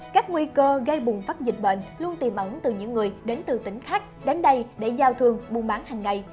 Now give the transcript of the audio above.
các nguy cơ gây bùng phát dịch bệnh luôn tìm ẩn từ những người đến từ tỉnh khác đến đây để giao thương buôn bán hàng ngày